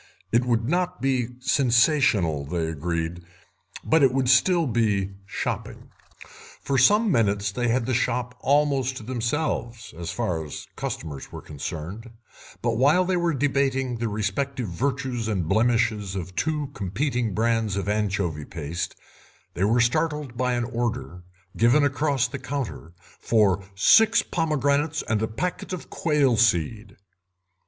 It would not be sensational, they agreed, but it would still be shopping. For some minutes they had the shop almost to themselves, as far as customers were concerned, but while they were debating the respective virtues and blemishes of two competing brands of anchovy paste they were startled by an order, given across the counter, for six pomegranates and a packet of quail seed.